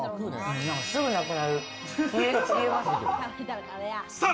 すぐなくなる。